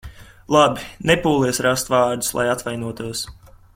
Labi, nepūlies rast vārdus, lai atvainotos.